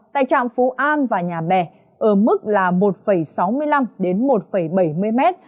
tại trạm phú an và nhà bè ở mức là một sáu mươi năm đến một bảy mươi mét